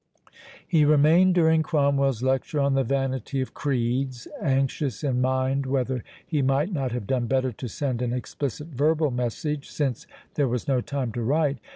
He remained during Cromwell's lecture on the vanity of creeds, anxious in mind whether he might not have done better to send an explicit verbal message, since there was no time to write.